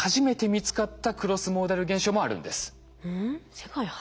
世界初。